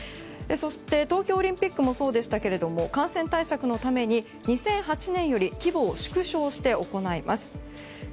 そして東京オリンピックもそうでしたけども感染対策のために２００８年より規模を縮小して行います。